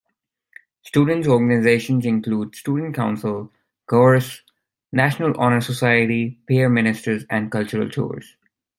Students organizations include Student Council, Chorus, National Honor Society, Peer Ministers, and Cultural Tours.